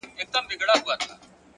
اخلاق د انسان تلپاتې پانګه ده،